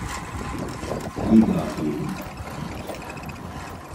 Liga geben.